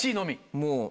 もう。